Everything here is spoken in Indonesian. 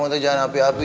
benar kamu jangan api api